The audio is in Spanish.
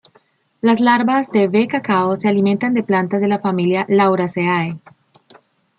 Las larvas de "V. cacao" se alimentan de plantas de la familia "Lauraceae".